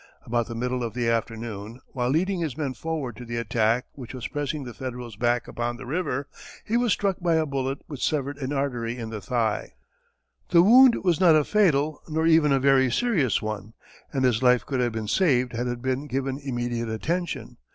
About the middle of the afternoon, while leading his men forward to the attack which was pressing the Federals back upon the river, he was struck by a bullet which severed an artery in the thigh. The wound was not a fatal, nor even a very serious one, and his life could have been saved had it been given immediate attention.